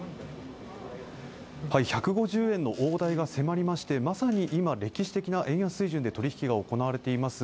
１５０円の大台が迫りましてまさに今歴史的な円安水準で取引が行われています